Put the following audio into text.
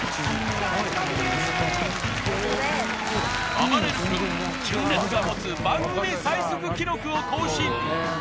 あばれる君純烈が持つ番組最速記録を更新！